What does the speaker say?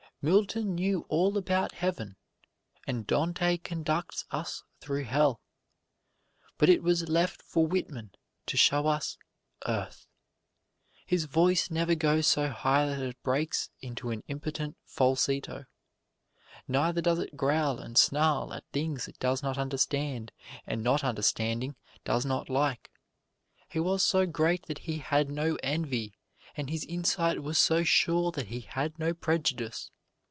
Milton knew all about Heaven, and Dante conducts us through Hell, but it was left for Whitman to show us Earth. His voice never goes so high that it breaks into an impotent falsetto, neither does it growl and snarl at things it does not understand and not understanding does not like. He was so great that he had no envy, and his insight was so sure that he had no prejudice.